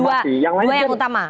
oke dua yang utama